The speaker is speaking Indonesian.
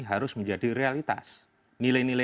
harus menjadi realitas nilai nilai